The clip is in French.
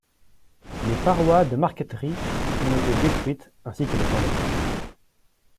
Les parois de marqueterie ont été détruites ainsi que le palais.